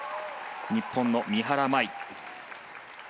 日本の三原舞依。